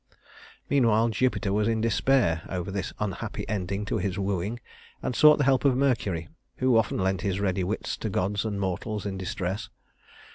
Meanwhile Jupiter was in despair over this unhappy ending to his wooing, and sought the help of Mercury, who often lent his ready wits to gods and mortals in distress.